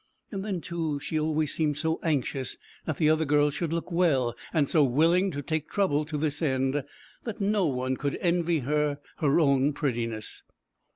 Then too she always seemed so anxious that the other girls should look well, and so willing to take trouble to this end, that no one could envy her her own prettiness.